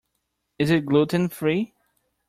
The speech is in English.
Is it gluten-free?